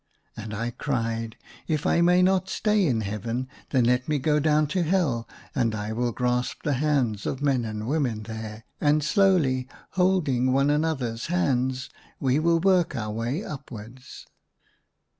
And I cried, " If I may not stay in l8o THE SUNLIGHT LA V Heaven, then let me go down to Hell, and I will grasp the hands of men and women there ; and slowly, holding one another's hands, we will work our way upwards."